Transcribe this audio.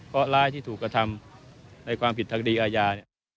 เพราะร้ายที่ถูกกระทำในความผิดทางคดีอาญา